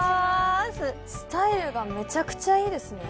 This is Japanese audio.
スタイルがめちゃくちゃいいですね